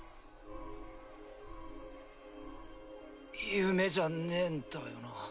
夢じゃねぇんだよな？